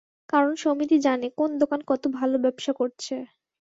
কারণ, সমিতি জানে, কোন দোকান কত ভালো ব্যবসা করছে।